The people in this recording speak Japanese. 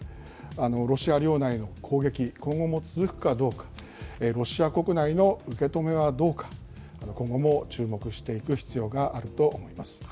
ロシア領内への攻撃、今後も続くかどうか、ロシア国内の受け止めはどうか、今後も注目していく必要があると思います。